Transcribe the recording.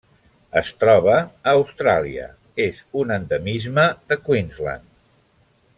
Es troba a Austràlia: és un endemisme de Queensland.